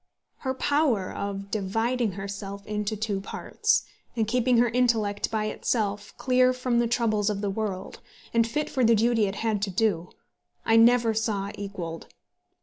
Her power of dividing herself into two parts, and keeping her intellect by itself clear from the troubles of the world, and fit for the duty it had to do, I never saw equalled.